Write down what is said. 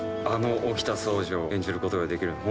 あの沖田総司を演じることができる。